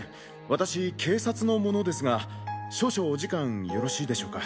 私警察の者ですが少々お時間よろしいでしょうか？